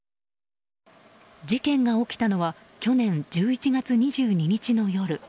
事件が起きたのは去年１１月２２日の夜。